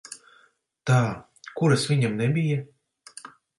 Tā, kuras viņam nebija?